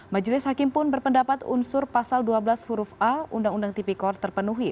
majelis hakim pun berpendapat unsur pasal dua belas huruf a undang undang tipikor terpenuhi